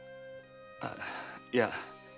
あいや。